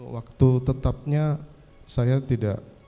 waktu tetapnya saya tidak